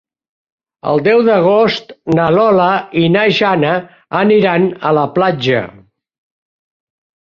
El deu d'agost na Lola i na Jana aniran a la platja.